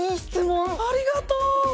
ありがとう！